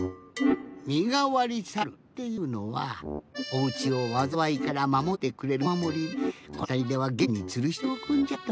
みがわりさるというのはおうちをわざわいからまもってくれるおまもりでこのあたりではげんかんにつるしておくんじゃと。